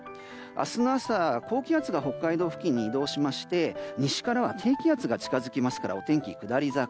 明日の朝、高気圧が北海道付近に移動しまして、西からは低気圧が近づきますからお天気、下り坂。